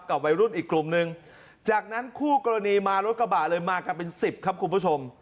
วัยรุ่นอีกกลุ่มนึงจากนั้นคู่กรณีมารถกระบะเลยมากันเป็นสิบครับคุณผู้ชม